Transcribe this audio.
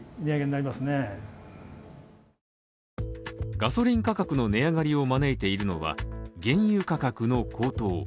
ガソリン価格の値上がりを招いているのは原油価格の高騰